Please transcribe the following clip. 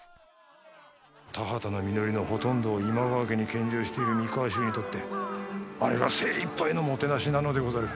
田畑の実りのほとんどを今川家に献上している三河衆にとってあれが精いっぱいのもてなしなのでござる。